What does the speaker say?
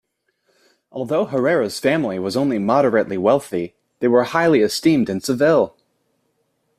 Although Herrera's family was only moderately wealthy, they were highly esteemed in Seville.